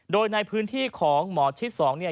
โดยในพื้นที่ของหมอที่๒